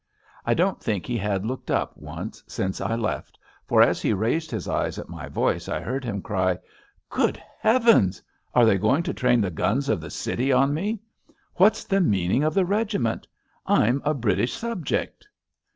I don't think he had looked np once since I left, for as he raised his eyes at my voice I heard him cry: " Good heavens ! are they going to train the guns of the city on me? What's the meaning of the regiment? I'm a British subject."